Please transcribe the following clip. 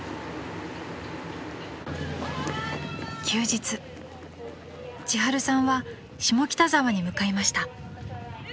［休日千春さんは下北沢に向かいました］